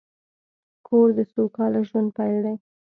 کور د سوکاله ژوند پیل دی.